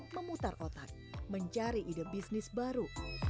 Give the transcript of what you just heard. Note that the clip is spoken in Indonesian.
memutar otak mencari ide bisnis baru